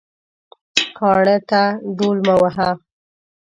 کاڼه ته ډول مه وهه